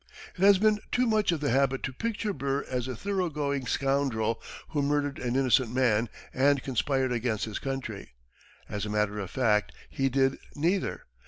It has been too much the habit to picture Burr as a thoroughgoing scoundrel who murdered an innocent man and conspired against his country. As a matter of fact, he did neither.